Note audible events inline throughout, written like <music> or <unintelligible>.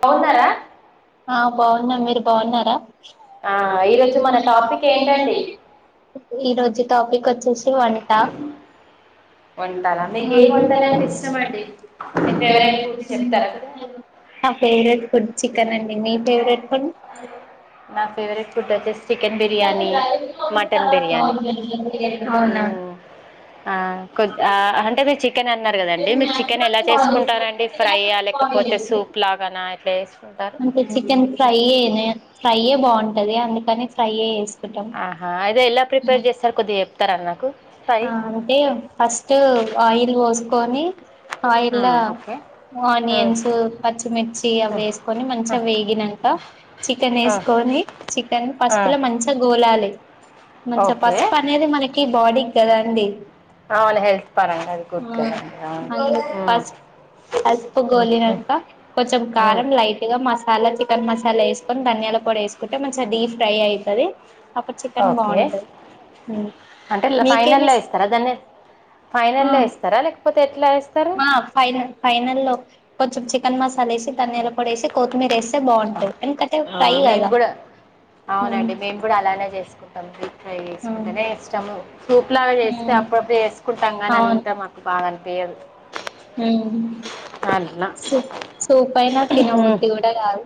బాగున్నారా బావున్నరా ఆ బాగున్నా మీరు బావున్నరా. ఆ, ఈ ఈరోజు మన టాపిక్ ఏంటండి రోజుకు టాపిక్ ఎంటండి? చేశి వంటా వంటలా మీకు ఏ వంటలు ఎవంటకాలు అంటే ఇష్టం అండి ఇష్టమండి? మీ ఫేవరెట్ ఫుడ్స్ వేరైటీస్ చెప్తారా కదా చెప్తరా. ఫేవరెట్ ఫుడ్ చికెన్ అండి. మీ ఫేవరెట్? ఫుడ్ నా ఫేవరెట్ ఫుడ్ వచ్చేసి చికెన్ బిర్యానీ, మటన్ బిర్యానీ అవునా హ్ ఆ కొద్ ఆ అంటే మీరు చికె చికెన్ అన్నారు కదండి, మీరు చికెన్ ఎలా చేసుకుంటారండి ఫ్రై ఆ లేకపోతే సూప్ లాగానా ఎట్లా చేస్ అంటే చికెన్ ఫ్రైయేనే ఫ్రైయే బావుంటది. అందుకని ఫ్రైయే చేస్ ఆహా అయితే ఎలా ప్రిపేర్ చేస్తరు కొద్దిగా చెప్తరా నాకు. ఫ్రై ఆ అంటే ఫస్ట్ ఆయిల్ వోసుకోని ఆ ఓకే ఆనియన్స్ పచ్చిమిర్చి అవి వేసుకొని మంచిగా వేగినంక చికెన్ వేసుకొని ని చికెన్ పసుపు లో మంచి గోలాలి మంచి ఓకే పసుపు అనేది మనకి బాడీకి కదా ద అండి అవును హెల్త్ పరంగా అది గుడ్ కదండి అందు పసుపు పసుపు ఉమ్, ఉమ్, గోలినంక కొంచెం ఉమ్. కారం లైట్ గా మసా అన్లా మసాలా చికెన్ మసాలా వేసుకొని ధనియాల పొడి వేసుకుంటే మంచిగా డీ ఫ్రై అవుతది అప్పుడు చికెన్ ఓకే బాగుంటది ఉమ్ అంటే ల- ఫైనల్లో ఇస్తారా దాన్ని ఆ ఫైనల్లో ఇస్తారా లేకపోతే ఎట్లా ఇస్తారు ఆ ఫైన ఫైనల్ ల్లో కొంచెం చికెన్ మసా సాల వేసి ధనియాల పొడి వేసి కొత్తిమీర వేస్తే ఆ, బాగుంటది ఎందుకంటే ఆ, ఫ్రై మేము కదా కూడా ఉమ్ అవునండి మేము కూడా అలానే చేసుకుంటాం ఫ్రై ఉమ్ చేసుకుంటేనే ఇష్టము సూప్ లాగా చేస్తే ఉమ్ అప్పుడప్పుడు చేసుకుంటాం కానీ అవును అంత మాకు బాగానుంది వేయదు ఉమ్ సూ సూప అయిన తిన ఉమ్. బుద్ధి కూడా కాదు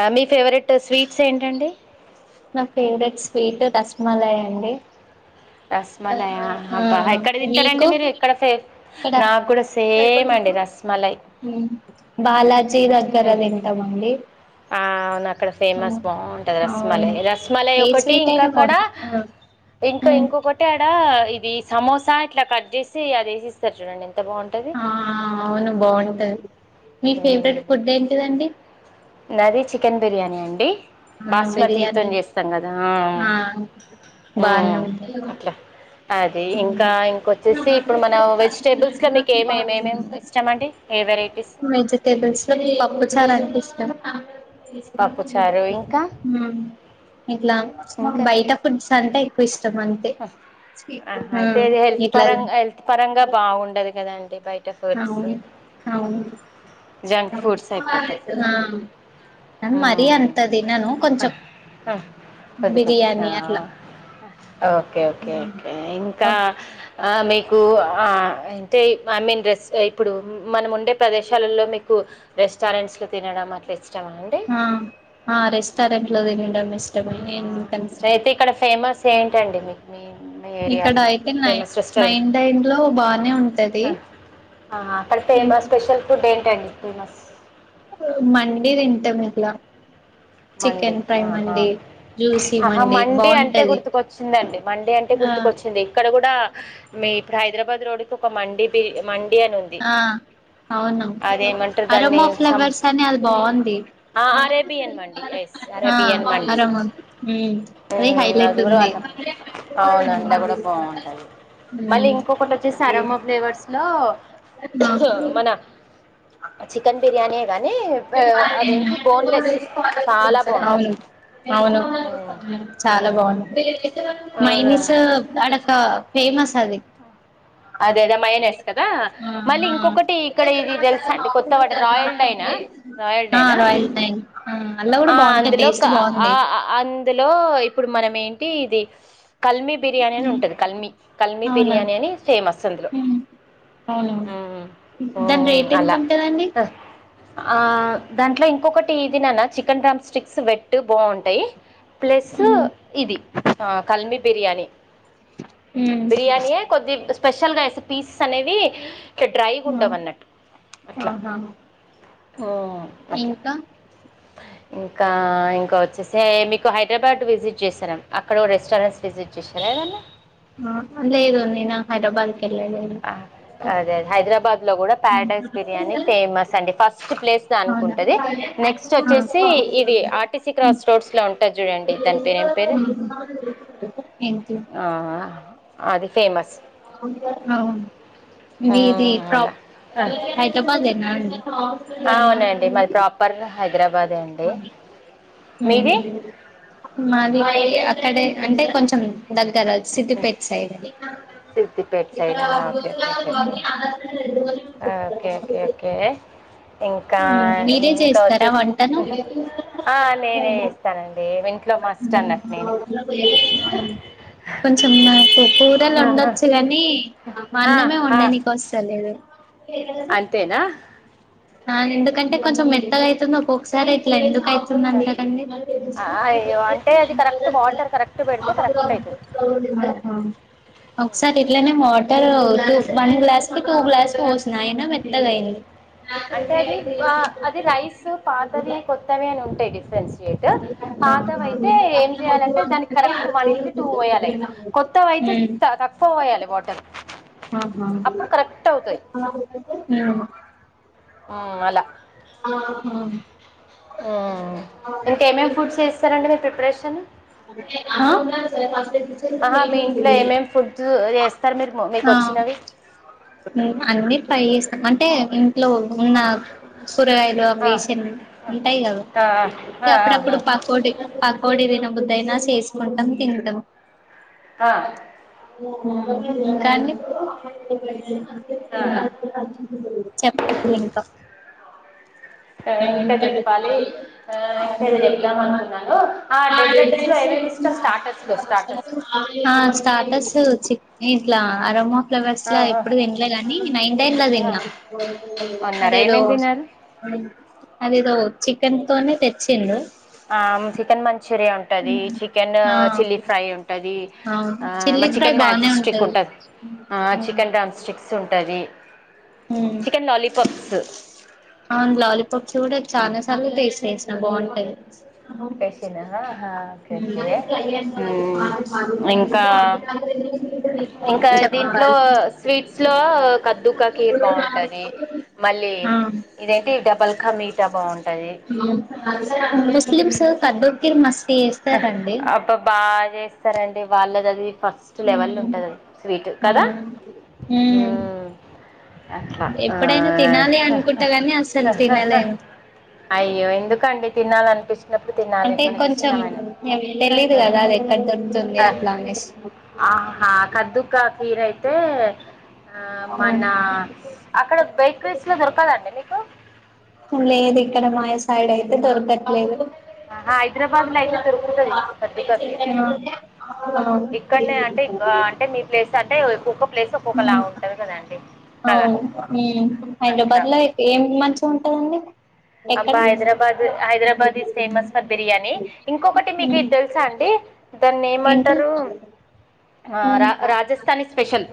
ఆ మీ ఫేవరెట్ స్వీట్స్ ఏంటండి నా ఫేవరెట్ స్వీట్ రస్మలయ్ అండి రస్మలయా అబ్బా ఉమ్ ఎక్కడ తింటారండి మీకు మీరు ఎక్కడే ఇక్కడ నాకు కూడా సేమ్ అండి రస్మలై ఉమ్ బాలా ఆ అవును అక్కడ ఫేమస్ బాగుంటది అవును రస్మలై రస్మలై ఏ ఒకటి స్వీట్ ఇంకా అయినా అక్కడ బాగుంటది ఇంకా ఉమ్ ఇంకొకటి ఆడ ఆ ఇది సమోసా ఇట్లా కట్ చేసి అది వేసిస్తారు చూడండి బాగుంటది ఆ ఆ అవును బాగుంటది మీ ఫేవరెట్ ఫుడ్ ఏంటిదండి నది చికెన్ బిర్యానీ అండి మనం బాస్మతి బిర్యానీ తోని చేస్తాం కదా ఆ బానే ఉంటది అట్లా అది ఇంకా ఇంకొచ్చేసి ఇప్పుడు మనం వెజిటేబుల్స్ లో మీకు ఏమేమిమేమి ఇష్టామ అండి ఏ వెరైటీ వెజిటేబుల్స్ లో పప్పు చాలా అంటే ఇష్టం పప్పుచారు ఇంకా ఇట్లా ఇంకా బయట ఫుడ్స్ అంటే ఎక్కువ ఇస్తం ఇష్టం అంతే ఆహా అయితే ఇది హెల్త్ ఇట్లా పరంగా హెల్త్ పరంగా బాగుండదు కదండి బయట ఫుడ్స్ అవును అవును జంక్ ఆ ఫుడ్స్ అయిపోతాయి కానీ మరి మ్మ్ అంత తినను కొంచం కొద్ది కొద్దిగా బిర్యానీ అట్లా ఓకే ఓకే ఓకే ఓకే ఇంకా ఆ మీ కు ఆ అంటే ఐ మీన్ రెస్ ఇప్పుడు మనం ఉండే ప్రదేశాలలో మీకు రెస్టారెంట్స్ లో తినడం అనేసి ఆ ఆ రెస్టారెంట్ లో తినడం ఇష్టమే ఎందుకంటే సే ఏంటండి మీకు మీయిన్ ఇక్కడ అయితే నైన్ నైన్ టైమ్ లో బానే ఉంటది ఆ అక్కడ ఫేమస్ స్పెషల్ ఫుడ్ ఏంటండి ఫేమస్ మండి తింటాం ఇట్లా మండి చికెన్ ఫ్రై ఆహా మండి జ్యూసీ అహా మండి మండే అంటే బాగుంటది గుర్తుకొచ్చిందండి మండే అంటే ఆ గుర్తుక వచ్చింది ఇక్కడ కూడా మీకి ఇప్పుడు హైదరాబాద్ రోడ్డు కి ఒక మండి బి మండి అని ఉంది అవునా అదేమంటారు దాన్ని అరోమా సం ఫ్లేవర్స్ అని అది బాగుంది ఆ అరేబియన్ మండి ఎస్ ఆ అరేబియన్ మండి అరమా ఉమ్ అది ఉమ్, హైలెట్ కూడా ఉంది అన్న అవును అందులో కూడా బాగుంటుంది మళ్ళీ ఇంకొకటి వచ్చేసి అ అరోమా ఫ్లేవర్స్లో మన అ చికెన్ బిర్యానీ యే గానీ అవేంటి బోన్లెస్ చాలా బాగుంటుంది అవును అవును ఉమ్, చాలా ఉమ్. బాగుంది మైనస్ ఆ, అంటే ఫేమస్ అది అదే అదే మైనేస్ కదా మళ్ళీ ఇంకొకటి ఇక్కడ ఇది తెలుసా అండి కొత్త వాడ రాయల్ డైనా ఆ రాయల్ ైనా రాయల్ థాయ్ ఆ అల్ల కూడా బాగుంటది అందులో టేస్ట్ బాగుంది అందులో ఇప్పు ఇప్పుడు మనం ఏంటి ఇది కల్మిీ బిర్యానీ అని ఉంటంది కల్మిీ కల్మిీ అవునా బిర్యానీ అని ఫేమస్ అందులో ఉమ్. అవునవును దాని రేట్ ఎంత అలా ఉంటదండి ఆ దాంట్లో ఇంకొకటి ఇదిిననా చికెన్ టమ్ స్టిక్స్ పెట్టు బాగుంటాయి ప్లస్ ఉమ్ ఇది కలమిీ బిర్యానీ ఉమ్. బిర్యానియ కొద్ది స్పెషల్ గా వేస్తే పీసెస్ అనేవి అలా డ్రైగా ఆ. ఉండవున్నట్టు అట్లా ఆహా అట్లా ఇంకా ఇంకా ఇంకా వచ్చేసి మీకు హైదరాబాద్ ఇ విజిట్ చేశాం అక్కడ రెస్టారెంట్స్ విజసిట్ చేశారా ఏదన్నా అందే ఇదు ననా హైదరాబాద్ వెళ్ళలేదు అదే అదే హైదరాబాద్ లో కూడా పారడైస్ బిర్యానీ ఫేమస్ అండి ఫస్ట్ స్ట్ ప్లేస్ దానికి అవునా ఉంటది నెక్స్ట్ వచ్చేసి ఇది ఆర్టీసీ క్రాస్ రోడ్స్ లో ఉంటది చూడండి దని పేరు ఏం పేరు ఆ. ఏంటి ఆ అది ఫేమస్ అవు మీది ప్ర అలా హైదరాబాద్ేనా అండి అవునండి మాది ప్రాపర్ హైదరాబాదే అండి మీది మాది అక్కడే అంటే కొంచెం దగ్గర సిద్ధపేట్ సైడ్ అని సిద్దిపేట ఇక్కడ side okay okay okay okay జ ఆ రెడు ఓకే ఓకే ఓకే ఇంకా మీరే ఇంకా చేస్తారా వచ్చేసి వంటను ఆ, నేనే చేస్తానండి ఇంట్లో మస్ట్ అన్నట్టు నేనే కొంచెం నాకు కూరలు ఆహా. ఉండొచ్చు కానీ ఆ, అన్నమే ఉండ ఆ, నకు వస్తలేదు అంతేనా న నిందు కంటే కొంచెం మెత్తగయితుంద న పో ఒకసార యితిలా నిందకు ఆ, నీ టె అయ్యో అంటే అది ప కరెక్ట్ వాటర్ కరెక్ట్ పెడితే కరెక్ట్ అవుతుంది <unintelligible> అ ఒకసారి ఇట్లనే water one glass two glass పోసన్నా అయినా ఎంతగా అయింది అంటే అది అది రైస్ పాతవి కొత్తవి అని ఉంటాయి డిఫరెన్స్ పాతయితే ఏం చేయాలంటే దానికి కరెక్ట్ వన్ కి టూ వయాలి కొత్త తక్కువ పోయాల బటల్ ఆహా ఉమ్, ఆహా ఇంకేమేమి ఫుడ్స్ చేస్తారండి మీ ప్రిపరేషన్ అే స ఆహా మీ ఇంట్లో ఫ ఏమేమి ఫుడ్ చేస్తారు మీరు మీకు వచ్చినవి ఆ అన్న ట్రై చేస్తాం అంటే లో ఉన్న సూరగాయలు అ ఆ, ఆ, వేసన్ ఉంటాయి కదా ఆ, అప్పుడప్పుడు పకోడి పకోడ వినా చేకుంటాం తింటాం ఆ, ఆ. దాన్ని ఇప్పుడు చెప్పదు ఇంకా ఇంకా చెప్పాలి ఆ, ఇంకా మ్ ఏదో చెప్దాం అనుకున్నాను ఆ డెజర్ట్స్లో ఏమేమి ఇష్టం స్టార్టర్స్లో స్టార్టర్స్లో ా స్టాటస్చ్చ ఇట్లా అరోమా ఫ్లవర్స్ లా ఎప్పుడు తినలే ని నైన్ టైన్ లో తిన్నా అదేదో అ దినలు అది ఇదో చికెన్ తోనే తెచ్చిం ఆ చికెన్ మంచూరియా ఉంటంది చికెన్ ఆ చిల్లీ ఫ్రై ఉంటది అవును ఆ చిల్లీ ఫ్రై చికెన్ మ్యాజీ బానే స్టిక్ ఉంటది ఆ చికెన్ మ్ స్టిక్స్ ఉంటది హ అవును లాలీపప్ చూ కూడా చాలా సార్ాస్స్త బాగుంటే కసిననా ఓకేకే ఇంకా ఇంకా దీంట్లో చెప్పాలి స్వీట్స్ లో కద్దుక కీర్ బాగుంటది మళ్ళీ ఇదేంటి డబల్కా మీతా బాగుంటది ముస్లిమ్స్ కబకిర్ మస్తీ వేస్తారండి సరే అండి వాళ్ళేది అది ఫస్ట్ లెవెల్ ఉంటుందిండి స్వీటు కదా ఉమ్ అట్లా ఎప్పుడైనా తినాలి అనుకుంటా కాని అసలు <unintelligible> తినలేను అయ్యో ఎందుకండి తినాలన్న అంటే కొంచెం మ తెలీదు కదా అది ఎక్కడ దొరుకుతుంది ఆ, అట్లా అనేం ఆహా కద్దుక్క ఫీర అయితే ఆ మన అక్కడ బేకరీస్ లో దొరకదండి మీ లేదు ఇక్కడ మ సైడ్ అయితే దొరకట్లేదు ఆహా, హైదరాబాద్లో అయితే దొరుకుతుంది కద్దుకా కీర్ ఇక్కడనే <unintelligible> అంటే అంటే మీ ప్లేస్ అంటే ఒక్కొక్క ప్లేస్ ఒక్కొక్క లా ఉంటంది కదండి కదా అవు అయిడ్ అట్లా బదిలో ఏం మంచిగా ఉంటదండి ఎక్కడ అబ్బా Hyderabad Hyderabad is famous for biryani ఇంకొకటి మీకు ఇది తెలుసా అండి దాని ఏంటి ఏమంటారు రాజస్థాని స్పెషల్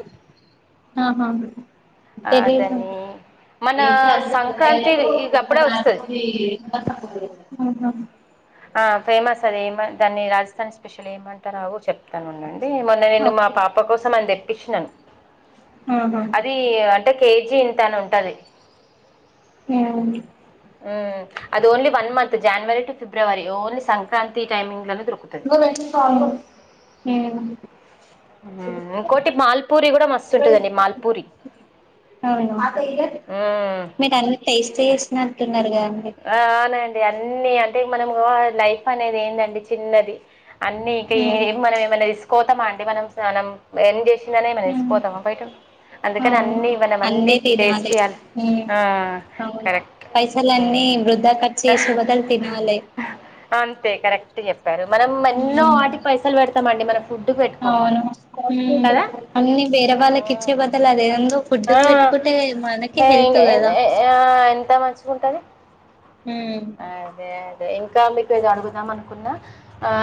ఆహా థెలిధు దాన్ని <unintelligible> మన ఎయ్ సంక్రాంతి ఇక అప్పుడే వస్తుంది <unintelligible> ఆ ఫేమస్ అద ఏమ దాన్ని రాజస్థాన్ స్పెషల్ ఏమంటారవు చెప్ ను ఉండండి మొన్న నేను మా ఓకే పాప కోసం అని తెప్పించినాను ఆహా అది అంటే కేజీ ఇంతని ఉంటది ఆ అది only one month January to February only Sankranti timing లను <unintelligible> ఉమ్ ఇంకోటి మాల్పూరి కూడా మస్తు ఉంటుదండి మాల్పూరి అవును మీకు అన్ని టేస్ట్ చేసిన అంటున్నారు కదండి అన్ని అంటే మనము లైఫ్ అనేది ఏంటండి చిన్నది అన్ని ఉమ్ మనం ఏమన్నా రిసు పోతామా అంటే మనం మనం ఎం చే మ ఉమ్ ఇేసుకుపోతాం బయట అందుకని అవును అన్ని ఇవ్వనం అన్ని అన్నీ టేస్ట్ తినాలి చేయాలి అవును కరెక్ట్ పైసలన్నీ వృధా ఖర్చు చేసే బదలు తినాలి అంతే కరెక్ట్ చెప్పారు మనం ఎన్నో ఉమ్ ఆటికి పైసలు పెడతమండి మనం ఫుడ్ పెట్టుకొం అన్నీ వేరే ఆ, వాళ్ళకి ఇచ్చే బదులు అదేందో ఫుడ్ పెట్టుకుంటే మనకి హెల్త్ ఏ- కదా ఆ ఆ ఎంత మంచికుంటది ఉమ్ అదే ఇంకా మీకు ఏది అడగుదాం అనుకున్న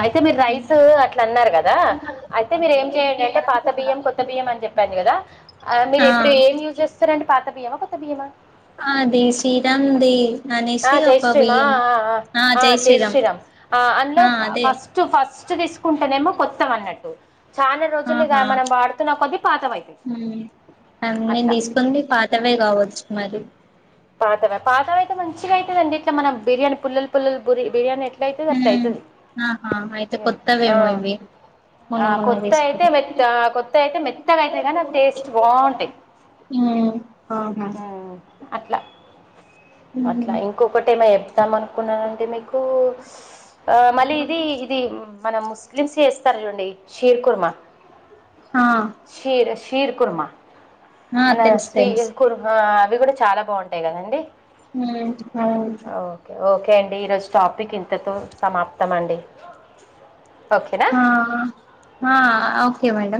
అయితే మీరు రైస్ అట్ల అన్నారు కదా అయితే మీరేం టే పాత బియ్యం కొత్త బియ్యం అని చెప్పింది కదా మీరు ఆ ఎప్పుడు ఏం యూజ్ చేస్తారండి పాత బియ్యం కొత బియ్యమా దే శీరంది ఆ జైశ్రీం ఆ ఆ ఆ జై శ్రీరామ్ జైశ్రీరామ్ ఆ అన్నం అ ఫ అదే ఫస్ట్ ఫ ఫట్ తీసుకుంటేనేమో కొత్తయి అన్నట్టు చానా రోజులు ఇగా ఆహా మనం వాడుతున్న కొద్ది పాతవైతయి ఉమ్. నేను తీసుకుంది పాతవే కావచ్చు మరి పాతవ పాతవయితే మంచిగా అయితందండి ఇట్లా మనం బిర్యానీ పుల్లలు పుల్లలు బ బిర్యానీ ట్ల అయితది ఉమ్. అట్లాయితది ఆహా అయితే కొత్తవేమో ఇవి మొన్న ఆ మొన్న కొత్త అయితే తీసుకుని మెత్త కొత్తయితే మెత్తగా అయితది గానీ టేస్ట్ బాగుంటాయి ఉ అట్ల అట్ల ఇంకొకటి ఏమో చెప్తాం అనుకున్నానంటీ మీకు ఆ మళ్ళీ ఇది ఇది మన ముస్లిమ్స్ చేస్తారు చూండి షీర్ కుర్మ ఆ షీర షీ షీర్ కుర్మ ఆ మన తెలుసు స్వి తెలుసు కుర్ హ అవి కూడా చాలా బాగుంటాయి కదండి ఉమ్, అవును ఓకే ఓకె కే అండి ఈరోజు టాపిక్ ఇంతతో సమాప్తం అండి ఓకేనా హ హ ఓకే మేడం